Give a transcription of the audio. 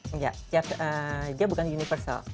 enggak dia bukan universal